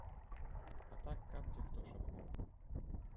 А так каб дзе хто шапнуў.